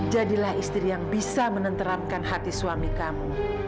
jadilah istri yang bisa menenteramkan hati suami kamu